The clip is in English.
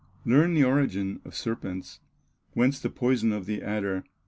Learn the origin of serpents, Whence the poison of the adder.